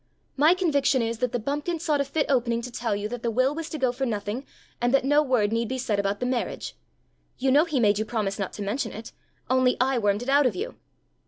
My conviction is that the bumpkin sought a fit opening to tell you that the will was to go for nothing, and that no word need be said about the marriage. You know he made you promise not to mention it only I wormed it out of you!"